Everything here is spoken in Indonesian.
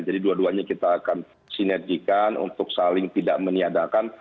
jadi dua duanya kita akan sinergikan untuk saling tidak meniadakan